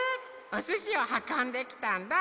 おすしをはこんできたんだ。